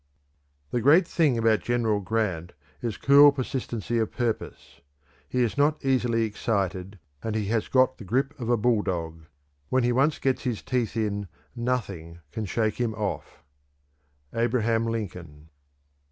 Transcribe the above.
_ "The great thing about General Grant is cool persistency of purpose. He is not easily excited, and he has got the grip of a bulldog. When he once gets his teeth in, nothing can shake him off." _Abraham Lincoln.